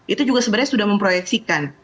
itu juga sebenarnya sudah memproyeksikan